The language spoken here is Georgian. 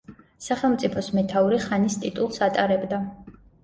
სახელმწიფოს მეთაური ხანის ტიტულს ატარებდა.